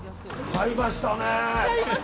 買いましたね。